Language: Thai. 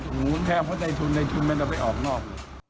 หมูมันแพงเพราะในทุนในทุนมันเอาไปออกนอก